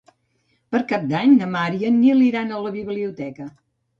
Per Cap d'Any na Mar i en Nil iran a la biblioteca.